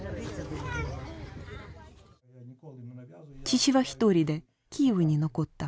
父は一人でキーウに残った。